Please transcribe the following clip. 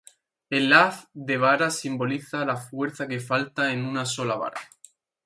El haz de varas simboliza la fuerza que falta en una sola vara.